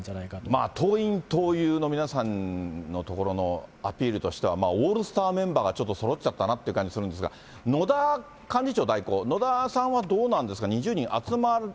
まあ党員・党友の皆さんのところのアピールとしては、オールスターメンバーがちょっとそろっちゃったなっていう感じがするんですが、野田幹事長代行、野田さんはどうなんですか？